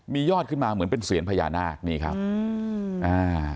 มียอดขึ้นมาเหมือนเป็นเสียนพญานาคนี่ครับอืมอ่า